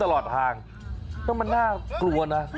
แล้วมันน่ากลัวนะ